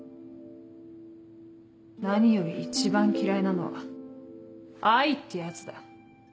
何より一番嫌いなのは「愛」ってやつだ。